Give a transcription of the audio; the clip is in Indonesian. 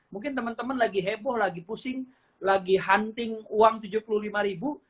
mungkin teman teman lagi heboh lagi pusing lagi hunting uang tujuh puluh lima ribu